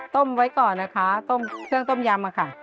ไว้ก่อนนะคะต้มเครื่องต้มยำค่ะ